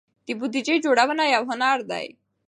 د بودیجې جوړونه یو هنر دی.